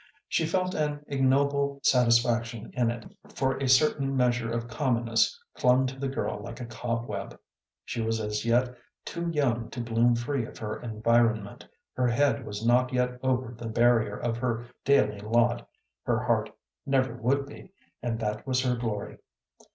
She felt an ignoble satisfaction in it, for a certain measure of commonness clung to the girl like a cobweb. She was as yet too young to bloom free of her environment, her head was not yet over the barrier of her daily lot; her heart never would be, and that was her glory.